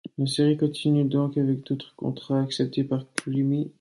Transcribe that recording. La série continue donc avec d'autres contrats acceptés par Creamy.